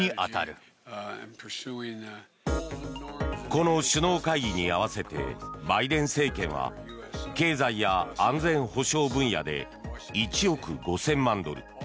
この首脳会議に合わせてバイデン政権は経済や安全保障分野で１億５０００万ドル